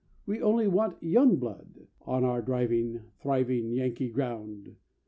We only want young blood On our driving, thriving, Yankee ground.